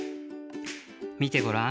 みてごらん。